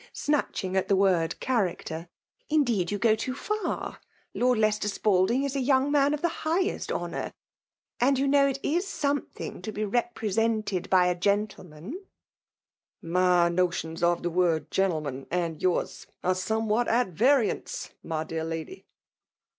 snatch ing at the word character, '" indeed, you go too &r ; Xiord Lidcester Spalding is a young man of the highest honour ; and you know it IB something to be represented by a gentle •• ''My notions of the word gentleman, VLnd yooiBy are somewhat at variance, my dear lady.